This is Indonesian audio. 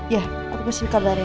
ya aku pasti kabarin